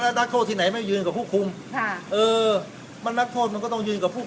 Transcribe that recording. นักโทษที่ไหนไม่ยืนกับผู้คุมค่ะเออมันนักโทษมันก็ต้องยืนกับผู้